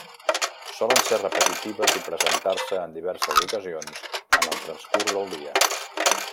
Solen ser repetitives i presentar-se en diverses ocasions en el transcurs del dia.